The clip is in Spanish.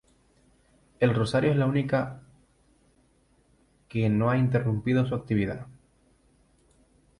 El Rosario es la única que no ha interrumpido su actividad.